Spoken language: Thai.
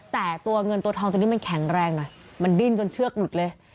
แต่ตัวเงินตัวทองตัวนี้มันแข็งแรงหน่อยมันดิ้นจนเชือกหลุดเลย